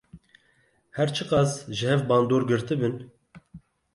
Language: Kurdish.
Her çi qas ji hev bandor girtibin.